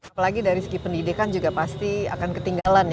apalagi dari segi pendidikan juga pasti akan ketinggalan ya